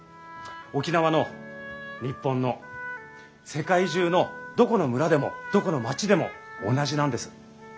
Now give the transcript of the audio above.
沖縄の日本の世界中のどこの村でもどこの街でも同じなんです。